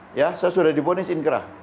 saya sudah diponis inkrah